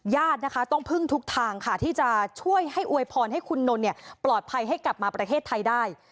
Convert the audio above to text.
ญาตินะคะต้องพึ่งทุกทางค่ะที่จะช่วยให้อวยพรให้คุณนนท์ปลอดภัยให้กลับมาประเทศไทยได้